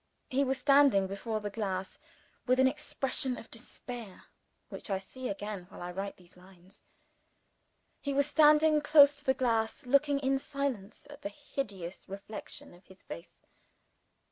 He was standing before the glass with an expression of despair which I see again while I write these lines he was standing close to the glass; looking in silence at the hideous reflection of his face.